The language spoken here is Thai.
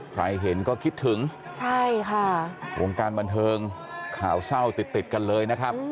ใครเห็นก็คิดถึงวงการบันเทิงข่าวเศร้าติดกันเลย